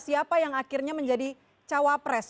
siapa yang akhirnya menjadi cawa pres